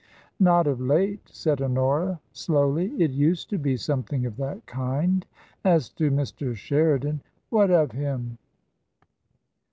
Not of late," said Honora, slowly ;" it used to be something of that kind. As to Mr. Sheridan "" What of him